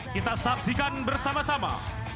kita saksikan bersama sama